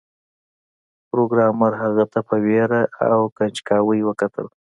پروګرامر هغه ته په ویره او کنجکاوی وکتل